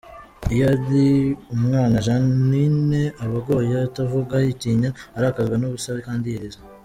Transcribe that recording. Iyo ari umwana Jeannine aba agoye atavuga, yitinya, arakazwa n’ubusa kandi yiriza.